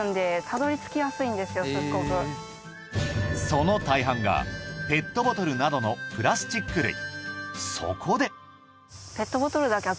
その大半がペットボトルなどのプラスチック類